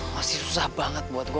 masih susah banget buat gue